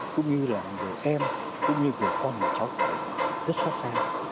cũng như là người em cũng như người con và cháu rất xót xa